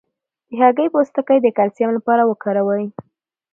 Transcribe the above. د هګۍ پوستکی د کلسیم لپاره وکاروئ